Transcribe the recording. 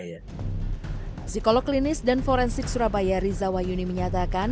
psikolog klinis dan forensik surabaya rizawa yuni menyatakan